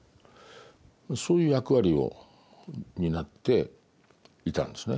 そういう役割を担っていたんですね。